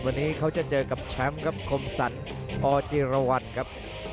วันนี้เขาจะเจอกับแชมป์ครับคมสรรอจิรวรรณครับ